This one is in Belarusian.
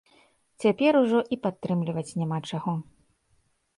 Цяпер ужо і падтрымліваць няма чаго.